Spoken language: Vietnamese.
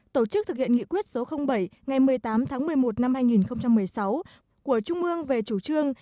tổ chức thực hiện nghị quyết số bảy ngày một mươi tám tháng một mươi một năm hai nghìn một mươi sáu của trung ương về chủ trương